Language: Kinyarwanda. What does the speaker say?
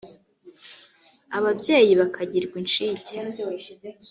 ababyeyi bakagirwa incike